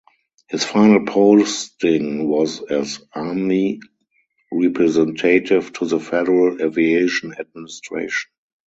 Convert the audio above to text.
His final posting was as Army representative to the Federal Aviation Administration.